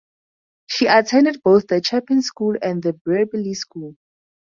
She attended both the Chapin School and the Brearley School.